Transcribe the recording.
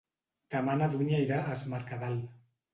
Demà na Dúnia irà a Es Mercadal.